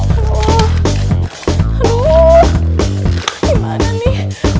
aduh gimana nih aduh